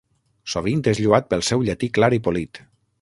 Sovint és lloat pel seu llatí clar i polit.